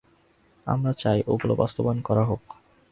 আমরা চাই ওগুলো বাস্তবায়ন করা হোক।